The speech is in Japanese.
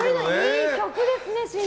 いい曲ですね、新曲。